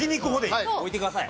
置いてください。